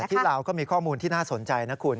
ที่ลาวก็มีข้อมูลที่น่าสนใจนะคุณ